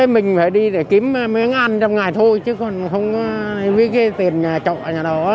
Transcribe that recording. mình phải đi kiếm miếng ăn trong ngày thôi chứ không có tiền nhà chợ nhà đỏ